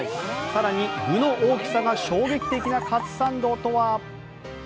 更に、具の大きさが衝撃的なカツサンドとは？